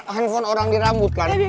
handphone orang dirambut kan